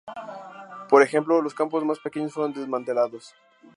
Por ejemplo, los campos más pequeños fueron desmantelados.